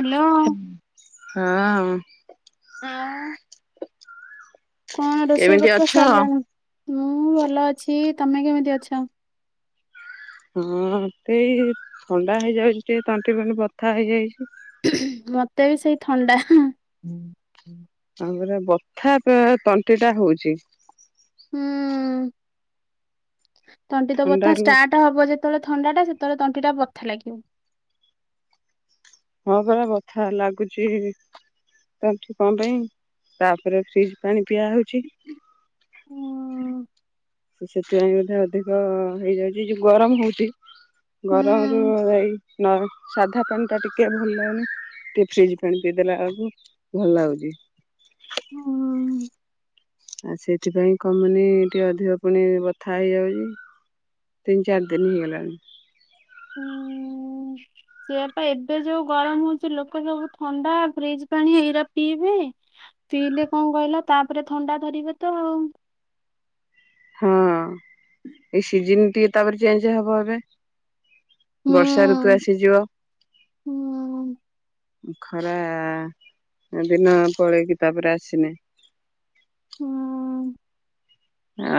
Hello ହଁ। ଆଉ। କଣ ରୋଷେଇ କେମିତି ପତ୍ର ଅଛ? ସାରିଲାଣି ମୁଁ ଭଲ ଅଛି ତମେ କେମିତି ଅଛ? ହଁ ମତେଇ ଥଣ୍ଡା ହେଇଯାଉଛି ଟିକେ ତଣ୍ଟି ଫଣ୍ଟି ବଥା ହେଇଯାଇଛି। ମତେ ବି ସେଇ ଥଣ୍ଡା। ତାପରେ ବଥା ପା ତଣ୍ଟି ଟା ହଉଛି। ହୁଁ ତଣ୍ଟି ତ ବଥା ଥଣ୍ଡାରୁ ଷ୍ଟାର୍ଟ ହବ ଯେ ଯେତେବେଳେ ଥଣ୍ଡାଟା ସେତେବେଳେ ତଣ୍ଟି ଟା ବଥା ଲାଗିବ। ହଁ ପରା ବଥା ଲାଗୁଚି। ଛି କଣ ପାଇଁ ତାପରେ ଫ୍ରିଜ ପାଣି ପିଆ ହଉଛି। ହୁଁ ସେଥିପାଇଁ ମଧ୍ୟ ଅଧିକ ହେଇଯାଉଚି ଏଇ ଯୋଉ ଗରମ ହୋଉଚି। ଗରମରୁ ହୁଁ ଏଇ ନ ସାଧା ପାଣି ଟା ଟିକେ ଭଲ ଲାଗେନି। ଟିକେ ଫ୍ରିଜ୍ ପାଣି ପିଇଦେଲା ଓଳକୁ ଭଲ ଲାଗୁଛି। ହଁ। ଆଉ ସେଥିପାଇଁ କମୁନି ଟିକେ ଅଧିକ ପୁଣି ବଥା ହେଇଯାଉଚି। ତିନ ଚାରି ଦିନି ହେଇଗଲାଣି। ହ [inaudible] ହୁଁ। ସେୟାପା ଏବେ ଯୋଉ ଗରମ ହୋଉଚି ଲୋକ ସବୁ ଥଣ୍ଡା ଫ୍ରିଜ୍ ପାଣି ଏଇରା ପିଇବେ। ପିଇଲେ କଣ କହିଲ ତାପରେ ଥଣ୍ଡା ଧରିବ ତ ଆଉ। ହଁ ଏଇ ସିଜିନ୍ ଟିକେ ତାପରେ ଚେଞ୍ଜ ହବ ଏବେ। ବର୍ଷା ଋତୁ ହୁଁ। ଆସିଯିବ। ହୁଁ ଖରା ଦିନ ପଳେଇକି ତାପରେ ଆସିନେ ହଁ।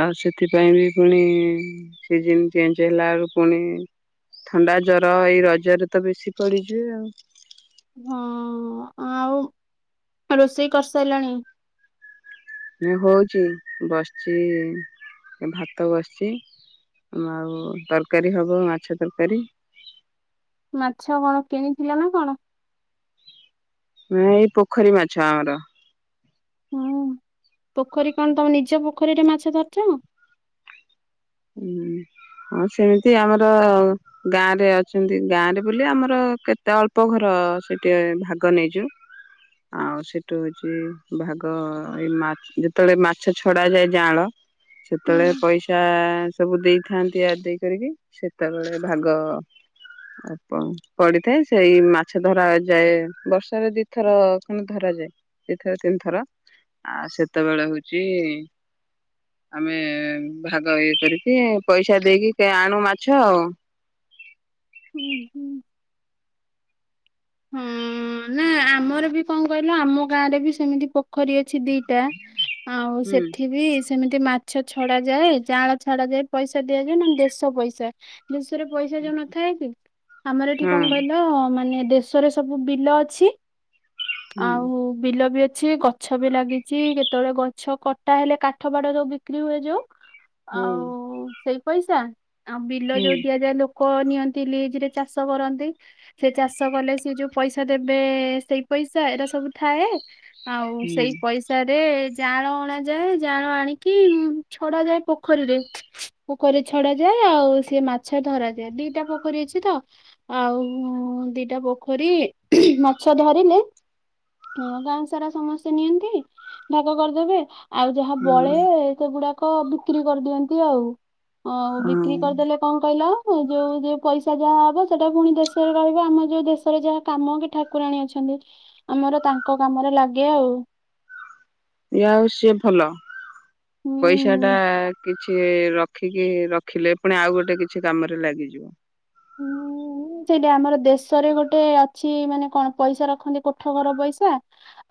ଆଉ ସେଥିପାଇଁ ବି ପୁଣି ସିଜିନ୍ ଚେଞ୍ଜ ହେଲା ଓଳୁ ପୁଣି ଥଣ୍ଡା ଜର ଏଇ ରଜରେ ତ ବେଶୀ ପଡିଯିବେ ଆଉ। ହଁ ଆଉ ରୋଷେଇ କରିସାରିଲଣି? ସିଏ ହୋଉଚି ବସିଚି ଭାତ ବସିଚି। ଆଉ ତରକାରୀ ହବ ମାଛ ତରକାରୀ। ମାଛ କଣ କିଣିଥିଲେ ନା କଣ? ନା [unintelligible] ଏଇ ପୋଖରୀ ମାଛ ଆମର। ହଁ ପୋଖରୀ କଣ ତମ ନିଜ ପୋଖରୀରେ ମାଛ ଧରୁଚ ନା? ହୁଁ ହଁ ସେମିତି ଆମର - ଗାଁ ରେ ଅଛନ୍ତି ଗାଁ ରେ ବୋଲି ଆମର କେତେ ଅଳ୍ପ ଘର ସେଠି ଭାଗ ନେଇଚୁ। ଆଉ ସେଠୁ ହୋଉଚି ଭାଗ ଏଇ ମା ଯେତେବେଳେ ମାଛ ଛଡା ଯାଏ ଜାଆଁଳ ହୁଁ ସେତଓଳେ ପଇସା ସବୁ ଦେଇଥାନ୍ତି ଆ ଦେଇ କରିକି ସେତେବେଳେ ଭାଗ ଆଣ [unintelligible] ପଡିଥାଏ ସେଇ ମାଛ ଧରା ଯାଏ ବର୍ଷରେ ଦିଥର ଖଣ୍ଡେ ଧରାଯାଏ। ଦି ଥର ତିନି ଥର ଆ ସେତୋଓଳେ ହୋଉଚି ଆମେ ଭାଗ ଇଏ କରିକି ପଇସା ଦେଇକି କିଏ ଆଣୁ ମାଛ ଆଉ। ଉ ହୁଁ। ହଁ ନାଁ ଆମର ବି କଣ କହିଲ ଆମ ଗାଁ ରେ ବି ସେମିତି ପୋଖରୀ ଅ ଅଛି ଦିଟା ଆଉ ହୁଁ। ସେଠି ବି ସେମିତି ମାଛ ଛଡା ଯାଏ ଜାଆଁଳା ଛାଡା ଯାଏ ପଇସା ଦିଆଯାଏ ନହେଲେ [unintelligible] ଦେଶ ପଇସା ଦେଶରେ ପଇସା ଯୋଉ ନଥାଏ କି ଆମର ଏଠି କଣ ହଁ କହିଲ ମାନେ ଦେ ରେ [unintelligible] ସବୁ ବିଲ ଅଛି ହୁଁ ଆଉ ବିଲ ବି ଅଛି ଗଛ ବି ଲାଗିଚି କେତୋଓଳେ ଗଛ କଟା ହେଲେ କାଠ ବାଡ ଯୋଉ ବିକ୍ରି ହୁଏ ଯୋଉ ହୁଁ [inaudible] ଆଉ ସେଇ ପଇସା ଆଉ ବିଲ ହୁଁ ଯୋଉ ଦିଆଯାଏ ଯୋଉ ଲୋକ ନିଅନ୍ତି ଲିଜ୍ ରେ ଚାଷ କରନ୍ତି ସେ ଚାଷ କଲେ ସେ ଯୋଉ ପଇସା ଦେବେ ସେଇ ପଇସା ଏରା ସବୁ ଥାଏ ଆଉ ସେଇ ହୁଁ ପଇସା ରେ ଜାଆଁଳ ଅଣାଯାଏ ଜାଆଁଳ ଆଣିକି ଛଡା ଯାଏ ପୋଖରୀରେ। ପୋଖରୀରେ ଛଡା ଯାଏ ଆଉ ସିଏ ମାଛ ଧରାଯାଏ ଦିଟା ପୋଖରୀ ଅଛି ତ। ଆଉ ଦିଟା ପୋଖରୀ ମାଛ ଧରିଲେ ହଁ ଗାଁ ସାରା ସମସ୍ତେ ନିଅନ୍ତି ଭାଗ କରିଦେବେ। ଆଉ ଯାହା ବଳେ ସେଗୁଡାକ ବିକ୍ରି କରିଦିଅନ୍ତି ଆଉ। ଆଉ ହୁଁ ବିକ୍ରି କରିଦେଲେ କଣ କହିଲ ଯୋଉ ଯୋଉ ପଇସା ଯାହା ହବ ସେଇଟା ପୁଣି ଦେଶରେ ରହିବ ଆମ ଯଉ ଦେଶ ଯାହା କାମ କି ଠାକୁରାଣୀ ଅଛନ୍ତି ଆମର ତାଙ୍କ କାମରେ ଲାଗେ ଆଉ। ଇଏ ଆଉ ସିଏ ଭଲ ପଇସା ହୁଁ। ଟା କିଛି ର ଖିକି ରଖିଲେ ପୁଣି ଆଉ ଗୋଟେ କିଛି କାମରେ ଲାଗିଯିବ। ହ [inaudible] ହୁଁ ସେଇଟା ଆମର ଦେଶରେ ଗୋଟେ ଅଛି ମାନେ କଣ ପଇସା ରଖନ୍ତି କୋଠା ଘର ପଇସା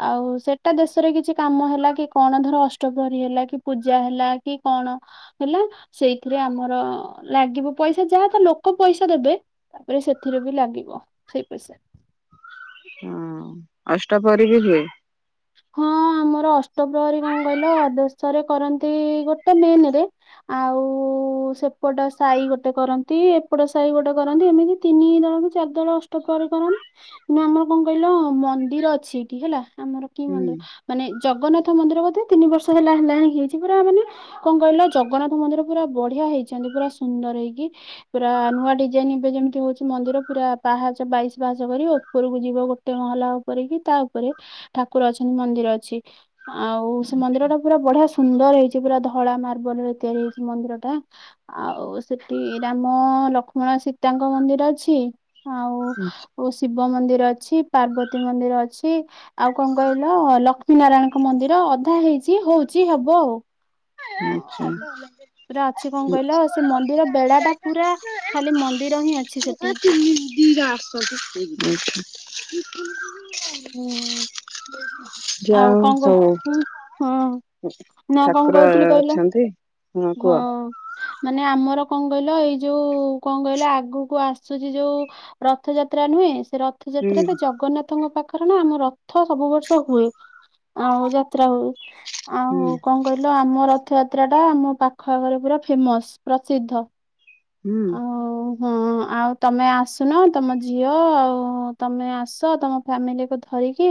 ଆଉ ସେଟା ଦେଶରେ କିଛି କାମ ହେଲା କି କଣ ଧର ଅଷ୍ଟପ୍ରହରୀ ହେଲା କି ପୂଜା ହେଲା କି କଣ ହେଲା ସେଇଥିରେ ଆମର ଲାଗିବ। ପଇସା ଯାହା ତ ଲୋକ ପଇସା ଦେବେ ତାପରେ ସେଥିରେ ବି ଲାଗିବ ସେଇ ପଇସା। ହଁ ଅଷ୍ଟ ପରେ ବି ହୁଏ। ହଁ ଆମର ଅଷ୍ଟପ୍ରହରୀ କଣ କହିଲ ଦଶରେ କରନ୍ତି ଗୋଟେ ମେନ ରେ ଆଉ ସେପଟ ସାହି ଗୋଟେ କରନ୍ତି ଏପଟ ସାହି ଗୋଟେ କରନ୍ତି ଏମିତି। ତିନି ଦଳକୁ ଚାରି ଦଳ ଅଷ୍ଟପ୍ରହରୀ କରନ୍ତି। ନା ଆମର କଣ କହିଲ ମନ୍ଦିର ଅଛି ଏଇଠି ହେଲା। ଆମର କି ହୁଁ ମନ୍ଦିର? ମାନେ ଜଗନ୍ନାଥ ମନ୍ଦିର ବୋଧେ ତିନି ବର୍ଷ ହେଲା ହେଲା ହିଁ ହେଇଛି ପୁରା ମାନେ କଣ କହିଲ ଜଗନ୍ନାଥ ମନ୍ଦିର ପୁରା ବଢିଆ ହେଇଛନ୍ତି ପୁରା ସୁନ୍ଦର ହେଇକି। ପୁରା ନୂଆ ଡିଜାଇନ ଏବେ ଯେମିତି ହଉଛି ମନ୍ଦିର ପୁରା ପାହାଚ ବାଇଶ ପାହାସ କରି ଉପରକୁ ଯିବ ଗୋ ଟେ ମହଲା ଉପରେ କି ତା ଉପରେ। ଠାକୁର ଅଛନ୍ତି ମନ୍ଦିର ଅଛି ଆଉ ସେ ମନ୍ଦିର ଟା ପୁରା ବଢିଆ ସୁନ୍ଦର ହେଇଛି ପୁରା ଧଳା ମାର୍ବଲ ରେ ତିଆରି ହେଇଛି ମନ୍ଦିର ଟା। ଆଉ ସେଠି ରାମ ଲକ୍ଷ୍ମଣ ସୀତାଙ୍କ ମନ୍ଦିର ଅଛି। ଆଚ୍ଛା। ଆଉ ଶିବ ମନ୍ଦିର ଅଛି, ପାର୍ବତୀ ମନ୍ଦିର ଅଛି। ଆଉ କଣ କହିଲ ଲକ୍ଷ୍ମୀ ନାରାୟଣଙ୍କ ମନ୍ଦିର ଅଧା ହେଇଛି ହଉଛି ହବ ଆଉ। ଆଚ୍ଛା। ପୁରା ଅଛି କଣ କହିଲ ସେ ମନ୍ଦିର ବେଡା ଟା ପୁରା ଖାଲି ଆଚ୍ଛା ମନ୍ଦିର ହିଁ ଅଛି ସେଠି। ଜିରା ସ ସେ ଯାଇଛି [inaudible] ହୁଁ [inaudible] ଯ ଆଉ କଣ ହଉ କହୁ ହଁ ନା କଣ ଠାକୁର କହୁଥିଲି କହିଲ ଅଛନ୍ତି। ହଁ ମାନେ ଆମର କଣ କହିଲ ଏଇ ଯୋଉ କଣ କହିଲ ଆଗକୁ ଆସୁଛି ଯୋଉ। ରଥଯାତ୍ରା ନୁହେଁ ସେ ହୁଁ ରଥଯାତ୍ରାରେ ଜଗନ୍ନାଥ। ତାଙ୍କ ପାଖରେ ନା ଆମ ରଥ ସବୁ ବର୍ଷ ହୁଏ ଆଉ ଯାତ୍ରା ହୁଏ। ଆଉ ହୁଁ କଣ କହିଲ ଆମ ରଥଯାତ୍ରା ଟା ଆମ ପାଖ ଆଖରେ ପୁରା ଫେମସ ପ୍ରସିଦ୍ଧ। ହୁଁ ଆଉ ହଁ। ଆଉ ତମେ ଆସୁନ ତମ ଝିଅ ଆଉ ତମେ ଆସ ତମ ଫ୍ୟାମିଲିକୁ ଧରିକି।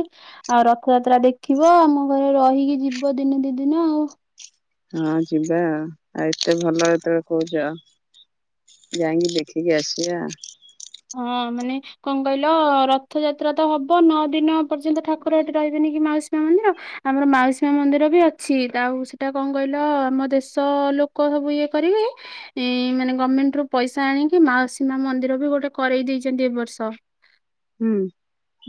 ଆଉ ରଥଯାତ୍ରା ଦେଖିବ ଆମ ଘରେ ରହିକି ଯିବ ଦିନେ ଦି ଦିନ ଆଉ। ହଁ ଯିବା ଆଉ ଆଉ ଏତେ ଭଲ ଏତବେଳେ କହୁଛ। ଯାଇକି ଦେଖିକି ଆସିବା। ହଁ ମାନେ କଣ କହିଲ ରଥଯାତ୍ରା ତ ହବ ନଅ ଦିନ ପର୍ଯ୍ୟନ୍ତ ଠାକୁର ଏଠି ରହିବେନି କି ମାଉସି ମା ମନ୍ଦିର ଆମର ମାଉସୀମା ମନ୍ଦିର ବି ଅଛି ଆଉ ସେଟା କଣ କହିଲ ଆମ ଦେଶ ଲୋକ ସବୁ ଇଏ କରିବେ। ମାନେ ଗଭର୍ଣ୍ଣମେଣ୍ଟ ରୁ ପଇସା ଆଣିକି ମାଉସୀମା ମନ୍ଦିର ବି ଗୋଟେ କରେଇ ଦେଇଛନ୍ତି ଏ ବର୍ଷ। ହୁଁ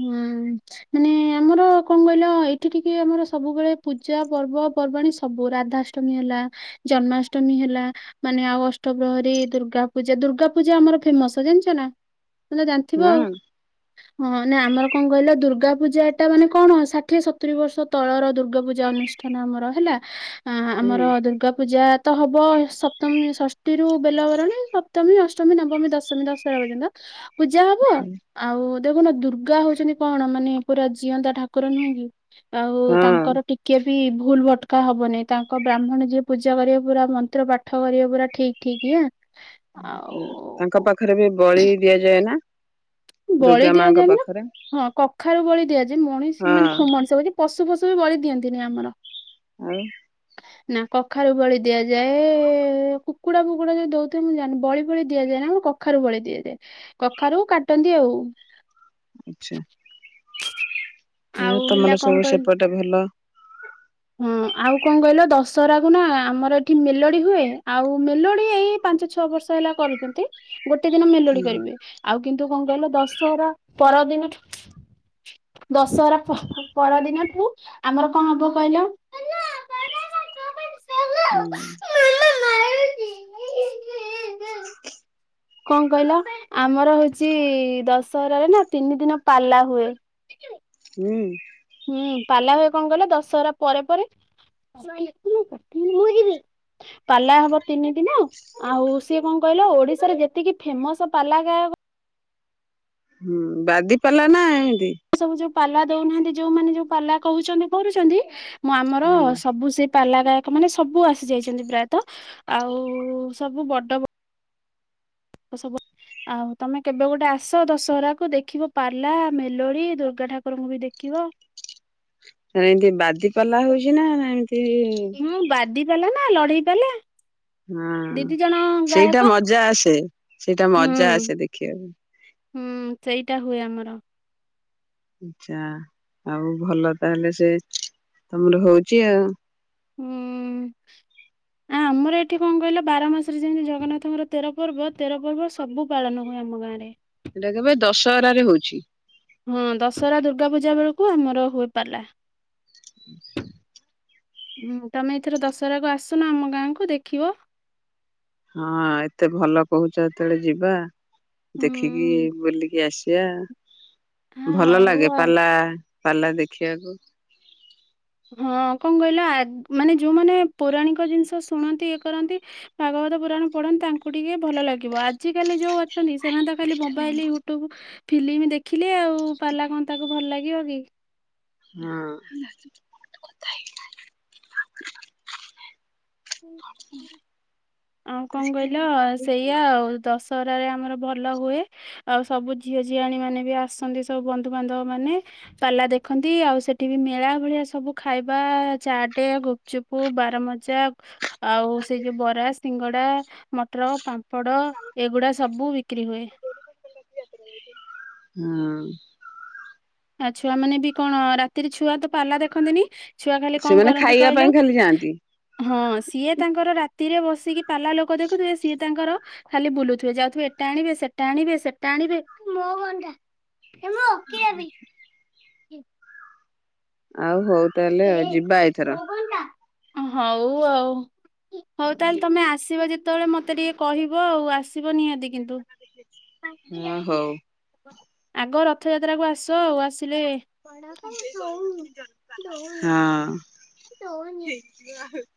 ହୁଁ ମାନେ ଆମର କଂ କହିଲ ଏଇଠି ଟିକେ ଆମର ସବୁବେଳେ ପୂଜା ପର୍ବ ପର୍ବାଣୀ ସବୁ ରାଧାଷ୍ଟମୀ ହେଲା, ଜନ୍ମାଷ୍ଟମୀ ହେଲା- - ମାନେ ଆଉ ଅଷ୍ଟଗ୍ରହରୀ ଦୁର୍ଗା ପୂଜା ଦୁର୍ଗା ପୂଜା ଆମର ଫେମସ ଜାଣିଛ ନା? ତ ଜାଣିଥିବ ଆଉ ହୁଁ ହଁ। ମାନେ ଆମର କଣ କହିଲ ଦୁର୍ଗାପୂଜା ଏଟା ମାନେ କଣ ଷାଠିଏ ସତୁରୀ ବର୍ଷ ତଳର ଦୁର୍ଗାପୂଜା ଅନୁ ଷ୍ଠାନ ଆମର ହେଲା। ଆ ଆମର ଦୁର୍ଗା ପୂଜା ତ ହବ ସପ୍ତମୀ ଷଷ୍ଠୀରୁ ବେଲ ବରଣୀ ସପ୍ତମୀ ଅଷ୍ଟମୀ ନବମୀ ଦଶମୀ ଦଶରା ପର୍ଯ୍ୟନ୍ତ। ପୂଜା ହବ ହୁଁ ଆଉ ଦେଖୁନ ଦୁ ର୍ଗା ହଉଚନ୍ତି କଣ? ମାନେ ପୁରା ଜିଅନ୍ତା ଠାକୁର ନୁହେଁ କି ଆଉ ହଁ ତାଙ୍କର ଟି କେ ବି ଭୁଲ ଭଟକା ହବନି ତାଙ୍କ ବ୍ରାହ୍ମଣ ଯିଏ ପୂଜା କରିବା ପୁରା ମନ୍ତ୍ର ପାଠ କରିବା ପୁରା ଠିକ୍। ଠିକ୍ଆ ତାଙ୍କ ପାଖରେ ବି ବଳି ଦିଆଯାଏ ନା? ବଳି ଦୁର୍ଗା ମାଙ୍କ ଦିଆଯାଏଣି ନା। ପାଖରେ ହଁ କଖାରୁ ବଳି ଦିଆଯାଏ ହଁ ମଣିଷ ମାନେ ମଣିଷ ବଳି - - ପଶୁ ଫସୁ ବି ବଳି ଦିଅନ୍ତିନି ଆମର। ଆଉ? ନା କଖାରୁ ବଳି ଦିଆଯାଏ। କୁକୁଡା ଫୁକୁଡା ଯଦି ଦଉଥିବେ ମୁଁ ଜାଣିନି ବଳି ଫଳି ଦିଆଯାଏ ନି ଆମ କ କଖାରୁ ବଳି ଦିଆଯାଏ କଖାରୁ କାଟନ୍ତି ଆଉ। ଆଚ୍ଛା, ଆ ଆଉ ହେଲା ତମର ସବୁ ସେପଟେ ଭଲ? ହୁଁ, ଆଉ କଂ କହିଲ? ଦଶହରା କୁ ନା ଆମର ଏଠି ମେଲୋଡି ହୁଏ ଆଉ ମେଲୋଡି ଏଇ ପାଞ୍ଚ ଛଅ ବର୍ଷ ହେଲା କରୁଚନ୍ତି। ଗୋଟେ ଦିନ ମେଲୋଡି ହୁଁ କରିବେ। ଆଉ କିନ୍ତୁ କଁ କହିଲ ଦଶହରା ପରଦିନଠୁ ଦଶହରା ପ ପରଦିନଠୁ ଆମର କଣ ହବ କହିଲ? ହୁଁ। [unintelligible] କଣ କହିଲ? ଆମର ହଉଚି ଦଶହରାରେ ନା ତିନି ଦିନ ପାଲା ହୁଏ। ହୁଁ। ହୁଁ, ପାଲା ହୁଏ କଣ କହିଲ? ଦଶହରା ପରେ ପରେ ପାଲା ହବ ତିନି ଦିନ। ଆଉ ସିଏ କଣ କହିଲ ଓଡିଶାରେ ଯେତିକି ଫେମସ ପାଲା ଗାୟକ ହୁଁ, ବାଦି ପାଲା ନା ଏମିତି। ସବୁ ଯୋଉ ପାଲା ଦଉନାହାନ୍ତି ଯୋଉମାନେ ଯୋଉ ପାଲା କହୁଚନ୍ତି, କରୁଚନ୍ତି ମୁଁ ଆମର ହୁଁ ସବୁ ସେ ପାଲା ଗାୟକ ମାନେ ସବୁ ଆସି ଯାଇଚନ୍ତି ପ୍ରାୟତ ଆଉ ସବୁ ବଡ ବ ଆଉ ସବୁ ଆଉ ତମେ କେବେ ଗୋଟେ ଆସ ଦଶହରା କୁ ଦେଖିବ ପାଲା ମେଲୋଳି ଦୁର୍ଗା ଠାକୁରଙ୍କୁ ବି ଦେଖିବ। ଆଉ ଏମିତି ବାଦି ପାଲା ହଉଚି ନା ନା ଏମିତି ହୁଁ, ବାଦି ପାଲା ନା ଲଢେଇ ପଲା। ହଁ, ସେଇଟା ଗାୟକ ମଜା ଆସେ, ସେଇଟା ହୁଁ ମଜା ଆସେ ଦେଖିବାକୁ। ହୁଁ, ସେଇଟା ହୁଏ ଆମର। ଆଚ୍ଛା, ଆଉ ଭଲ ତାହେଲେ ସେ ତମର ହଉଚି ଆଉ। ହୁଁ। [inaudible] ନା ଆମର ଏଠି କଣ କହିଲ ବାର ମାସରେ ଯେମିତି ଜଗନ୍ନାଥଙ୍କର ତେର ପର୍ବ ତେର ପର୍ବ ସବୁ ପାଳନ ହୁଏ ଆମ ଗାଁରେ। ସେଇଟା କେବେ ଦଶହରାରେ ହଉଚି। ହଁ ଦଶହରା ଦୁର୍ଗା ପୂଜା ବେଳକୁ ଆମର ହୁଏ ପାଲା। [unintelligible] ହୁଁ ତମେ ଏଇଥର ଦଶହରାକୁୁ ଆସୁନ ଆମ ଗାଁକୁୁ ଦେଖିବ। ହଁ ଏତେ ଭଲ କହୁଚ ଯେତେବେଳେ ଯିବା। ଦେଖିକି ହୁଁ ବୁଲିକି ଆସିବା। ହଁ ଭଲ ହଉ ଲାଗେ ଆଉ। ପାଲା ପାଲା ଦେଖିବାକୁ। ହଁ କଣ କହିଲ ଆ ମାନେ ଯୋଉମାନେ ପୌରାଣିକ ଜିନିଷ ଶୁଣନ୍ତି ଇଏ କରନ୍ତି ଭାଗବତ ପୁରାଣ ପଢ଼ନ୍ତି ତାଙ୍କୁ ଟିକେ ଭଲ ଲାଗିବ ଆଜିିକାଲି ଯୋଉ ଅ ଛନ୍ତି ସେମାନେ ତ ଖାଲି ମୋବାଇଲ ୟୁଟ୍ୟୁବ ଫିଲିମି ଦେଖିଲେ ଆଉ। ଉ ପାଲା କଣ ତାକୁ ଭଲ ଲାଗିବ କି? ହଁ। ଆଉ କଣ କହିଲ ସେଇଆ ଆଉ ଦଶହରାରେ ଆମର ଭ ଭଲ ହୁଏ ଆଉ ସବୁ ଝିଅ ଝିଆଣ ମାନେ ବି ଆସନ୍ତି ସବୁ ବନ୍ଧୁବାନ୍ଧବ ମାନେ ପାଲା ଦେଖନ୍ତି ଆଉ ସେଠି ବି ମେଳା ଭଳିଆ ସବୁ ଖାଇବା ଚାଟେ ଗୁ ଚୁପୁ ବାରମଜା ଆଉ ସେଇ ଯୋଉ ବରା, ସିଙ୍ଗଡା, ମଟର, ପାମ୍ପ ପଡ଼ ଏଗୁଡ଼ା ସବୁ ବିକ୍ରି ହୁଏ। ହଁ। ଆ ଛୁଆ ମାନେ ବି କଣ ରାତିରେ ଛୁଆ ତ ପିଲା ଦେଖନ୍ତିନି? ଛୁଆ ଖାଲି କଣ ସେମାନେ କରନ୍ତି ଖାଇବା କହିଲ? ପାଇଁ ଖାଲି ଯାଆନ୍ତି ହଁ ସିଏ ତାଙ୍କର ରାତିରେ ବସିକି ପାଲା ଲୋକ ଦେଖୁଥିବେ ସିଏ ତାଙ୍କର ଖାଲି ବୁଲୁଥୁବେ ଯାଉଥୁବେ ଏଟା ଆଣିବେ ସେଟା ଆଣିବେ ସେଟା ଆଣିବେ। ହେମୋ କିିଏ ବି ଆଉ ହଉ ତାହେଲେ ଆଉ ଯିବା ଏଇଥର। ଅଁ ହଉ ଆଉ ହଉ ତାହଲ ତମେ ଆସିବ ଯେତ୍ ତବଳେ ମତେ ଟିକେ କହିବ ଆଉ ଆସିବ ନିହାତି କିନ୍ତୁ। ହଁ ହଉ ଆଗ ରଥଯାତ୍ରା କୁ ଆସ ଆଉ ଆସିଲେ ହଁ।